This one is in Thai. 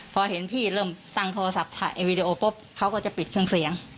พอเห็นพี่เริ่มตั้งโทรศัพท์ถ่ายวีดีโอปุ๊บเขาก็จะปิดเครื่องเสียง